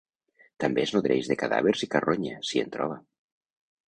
També es nodreix de cadàvers i carronya, si en troba.